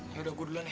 yaudah gue duluan ya